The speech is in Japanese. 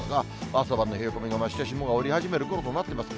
朝晩の冷え込みが増して、霜が降り始めるころとなっています。